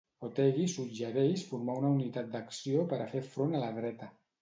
Otegi suggereix formar una unitat d'acció per a fer front a la dreta.